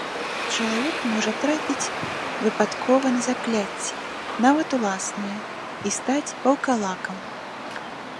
Чалавек можа трапіць выпадкова на закляцце, нават уласнае, і стаць ваўкалакам.